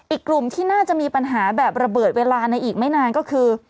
อีกกลุ่มที่น่าจะมีปัญหาแบบระเบิดเวลาในอีกไม่นานก็คือ